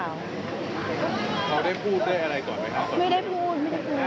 ไม่ได้พูดไม่ได้พูด